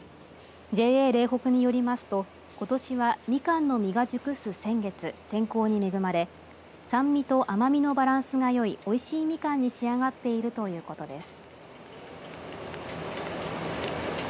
ＪＡれいほくによりますと、ことしはみかんの実が熟す先月天候に恵まれ酸味と甘みのバランスがよいおいしいみかんに仕上がっているということです。